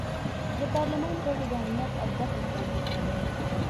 د پارلمان غړو د امنیت او ګټې خوندي کولې.